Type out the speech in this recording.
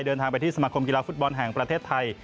เดินทางไปที่สมาคมกีฬาฟุตบอลแห่งประเทศไทย